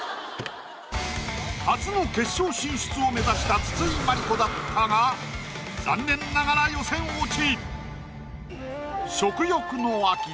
初の決勝進出を目指した筒井真理子だったが残念ながら予選落ち。